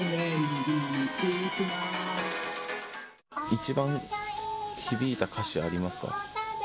一番響いた歌詞、ありますか。